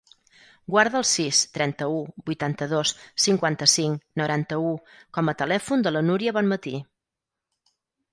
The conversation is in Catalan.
Guarda el sis, trenta-u, vuitanta-dos, cinquanta-cinc, noranta-u com a telèfon de la Núria Bonmati.